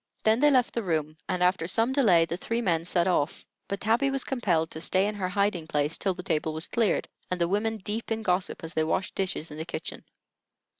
Then they left the room, and after some delay the three men set off; but Tabby was compelled to stay in her hiding place till the table was cleared, and the women deep in gossip, as they washed dishes in the kitchen.